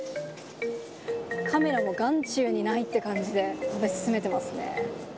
カメラも眼中にないって感じで、食べ進めてますね。